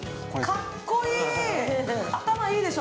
かっこいい！